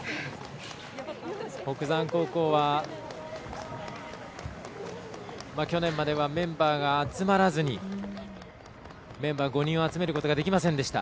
北山高校は、去年まではメンバーが集まらずにメンバー５人を集めることができませんでした。